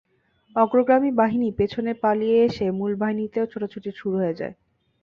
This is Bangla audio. অগ্রগামী বাহিনী পেছনে পালিয়ে এলে মূল বাহিনীতেও ছোটাছুটি শুরু হয়ে যায়।